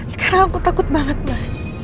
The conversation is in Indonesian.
sekarang aku takut banget mbak